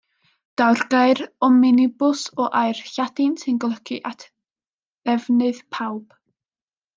Daw'r gair Omnibws o air Lladin sy'n golygu at ddefnydd pawb.